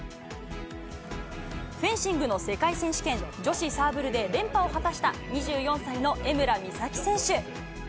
フェンシングの世界選手権、女子サーブルで連覇を果たした、２４歳の江村美咲選手。